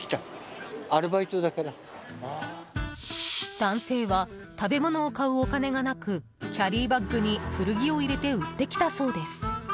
男性は食べ物を買うお金がなくキャリーバッグに古着を入れて売ってきたそうです。